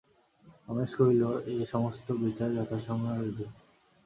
রমেশ কহিল, এ-সমস্ত বিচার যথাসময়ে হইবে।